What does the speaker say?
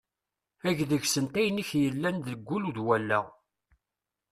Eg deg-sent ayen i k-yellan deg wul d wallaɣ.